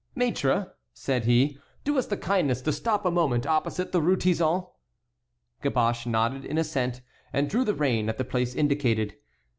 "Maître," said he, "do us the kindness to stop a moment opposite the Rue Tizon." Caboche nodded in assent, and drew rein at the place indicated.